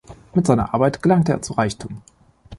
Mit seiner Arbeit gelangte er zu Reichtum.